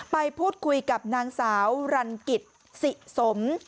ไปพูดคุยกับนางสาวรันกิจสิสม